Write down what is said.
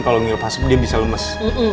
kalau ngirup asap dia bisa lemes